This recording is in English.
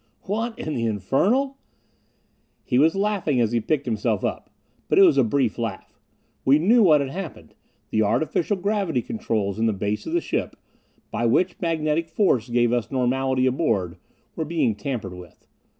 "What in the infernal! " He was laughing as he picked himself up. But it was a brief laugh. We knew what had happened: the artificial gravity controls in the base of the ship, which by magnetic force gave us normality aboard, were being tampered with!